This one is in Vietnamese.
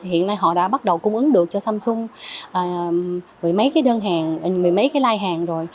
hiện nay họ đã bắt đầu cung ứng được cho samsung mười mấy cái đơn hàng mười mấy cái lai hàng rồi